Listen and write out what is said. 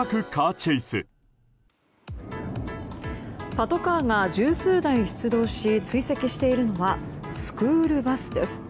パトカーが十数台出動し追跡しているのはスクールバスです。